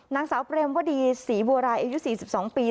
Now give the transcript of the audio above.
นางสาวเปรมวดีศรีบัวรายอายุ๔๒ปี